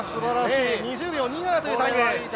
２０秒２７というタイム。